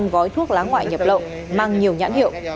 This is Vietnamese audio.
bốn năm trăm linh gói thuốc lá ngoại nhập lộng mang nhiều nhãn hiệu